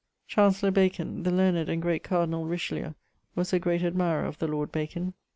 _> Chancellor Bacon: The learned and great cardinal Richelieu was a great admirer of the lord Bacon.